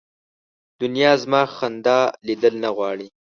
دنیا زما خندا لیدل نه غواړي